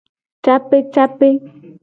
Capecape.